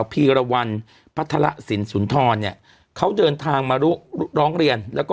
พีรวรรณพัฒระสินสุนทรเนี่ยเขาเดินทางมาร้องเรียนแล้วก็